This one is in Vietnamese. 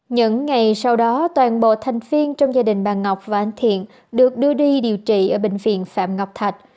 những ngày sau đó toàn bộ thành viên trong gia đình bà ngọc và anh thiện được đưa đi điều trị ở bệnh viện phạm ngọc thạch